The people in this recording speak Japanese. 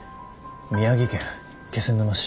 「宮城県気仙沼市。